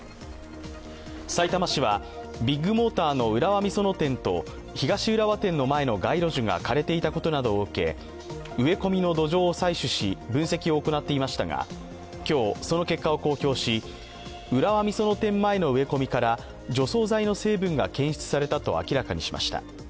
さいたま市はビッグモーターの浦和美園店と東浦和店の前の街路樹が枯れていたことなどを受け、植え込みの土壌を採取し、分析を行っていましたが、今日その結果を公表し、浦和美園店前の植え込みから除草剤の成分が検出されたと明らかにしました。